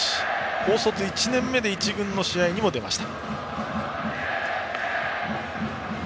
高卒１年目で１軍の試合にも出ました。